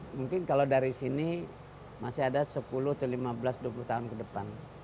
mungkin kalau dari sini masih ada sepuluh atau lima belas dua puluh tahun ke depan